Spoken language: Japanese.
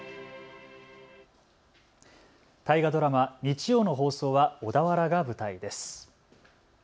大河ドラマ、日曜の放送は小田原が舞台です。